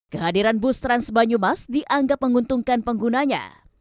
kehadiran bus trans banyumas dianggap menguntungkan penggunanya